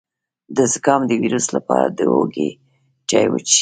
د زکام د ویروس لپاره د هوږې چای وڅښئ